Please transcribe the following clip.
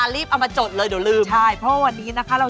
แล้วได้พ่อหมาย